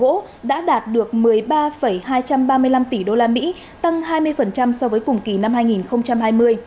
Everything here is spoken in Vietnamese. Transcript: xuất khẩu gỗ đã đạt được một mươi ba hai trăm ba mươi năm tỷ đô la mỹ tăng hai mươi so với cùng kỳ năm hai nghìn hai mươi